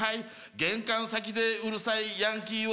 玄関先でうるさいヤンキーを